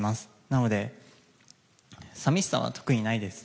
なので、寂しさは特にないです。